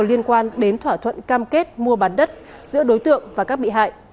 liên quan đến thỏa thuận cam kết mua bán đất giữa đối tượng và các bị hại